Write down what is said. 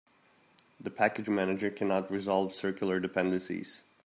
The package manager cannot resolve circular dependencies.